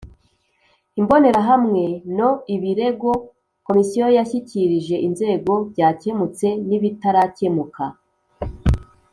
Imbonerahamwe no Ibirego Komisiyo yashyikirije inzego byakemutse n ibitarakemuka